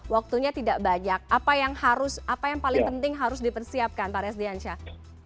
waktunya tidak banyak apa yang paling penting harus dipersiapkan pak resdiansyah